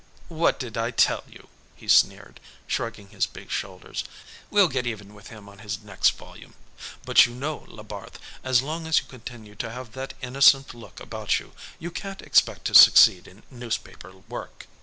"What did I tell you?" he sneered, shrugging his big shoulders. "We'll get even with him on his next volume. But you know, Labarthe, as long as you continue to have that innocent look about you, you can't expect to succeed in newspaper work."